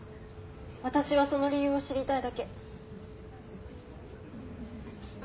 私はその理由を知りたいだけ。